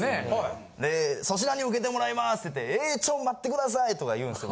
で「粗品に受けてもらいます」って言って「え！ちょっと待って下さい！」とか言うんですよ。